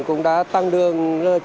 cũng đã tăng lương